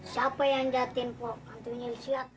siapa yang jatin pok